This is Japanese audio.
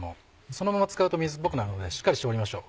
そのまま使うと水っぽくなるのでしっかり絞りましょう。